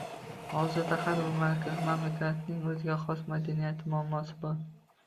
Hozirda har bir mamlakatning oʻziga xos madaniyati, muammosi bor